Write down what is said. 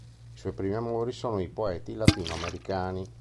I suoi primi amori sono i poeti latinoamericani.